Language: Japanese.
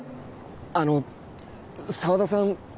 あの沢田さん